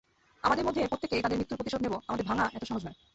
আমাদের মধ্যে প্রত্যেকেই তাদের মৃত্যুর প্রতিশোধ নেবো আমাদের ভাঙা এতো সহজ নয়।